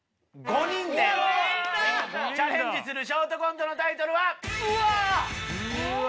５人でチャレンジするショートコントのタイトルは。